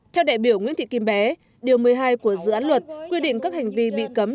theo đại biểu nguyễn thị kim bé điều một mươi hai của dự án luật quy định các hành vi bị cấm